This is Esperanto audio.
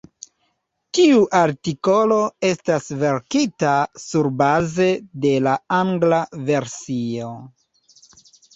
Tiu artikolo estas verkita surbaze de la angla versio.